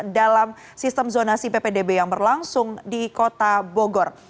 dalam sistem zonasi ppdb yang berlangsung di kota bogor